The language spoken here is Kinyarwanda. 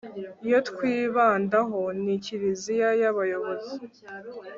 iyo twibandaho ni kiliziya y'abayobozi